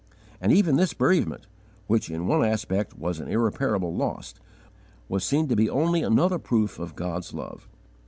And even this bereavement, which in one aspect was an irreparable loss, was seen to be only another proof of God's love.